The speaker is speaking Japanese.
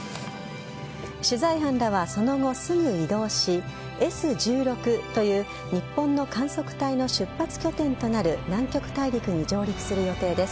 取材班らはその後すぐへ移動しＳ１６という日本の観測隊の出発拠点となる南極大陸に上陸する予定です。